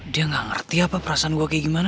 dia gak ngerti apa perasaan gue kayak gimana